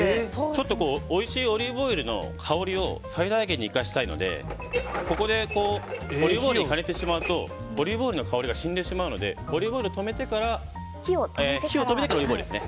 ちょっとおいしいオリーブオイルの香りを最大限に生かしたいのでここでオリーブオイルを加熱してしまうとオリーブオイルの香りが死んでしまうので火を止めてからオリーブオイルですね。